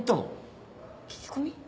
聞き込み？